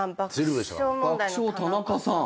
爆笑田中さん